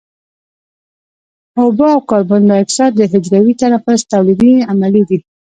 اوبه او کاربن دای اکساید د حجروي تنفس تولیدي عملیې دي.